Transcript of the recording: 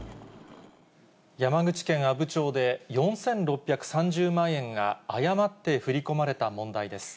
山口県阿武町で、４６３０万円が誤って振り込まれた問題です。